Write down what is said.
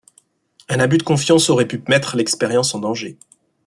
Un abus de confiance aurait pu mettre l’expérience en danger.